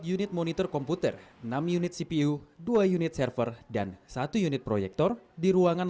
unit monitor komputer enam unit cpu dua unit server dan satu unit proyektor di ruangan